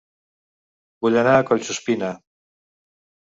Vull anar a Collsuspina